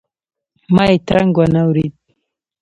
ما یې ترنګ وانه ورېد.